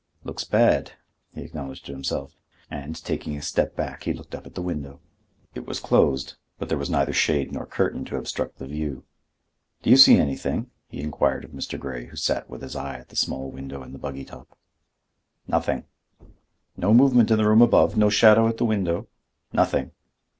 "Looks bad!" he acknowledged to himself; and, taking a step back, he looked up at the window. It was closed, but there was neither shade nor curtain to obstruct the view. "Do you see anything?" he inquired of Mr. Grey, who sat with his eye at the small window in the buggy top. "Nothing." "No movement in the room above? No shadow at the window?" "Nothing."